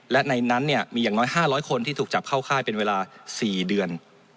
และในนั้นมีอย่างน้อย๕๐๐คนที่ถูกจับเข้าค่ายเป็นเวลา๔เดือน